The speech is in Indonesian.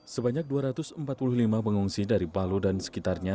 sebanyak dua ratus empat puluh lima pengungsi dari palu dan sekitarnya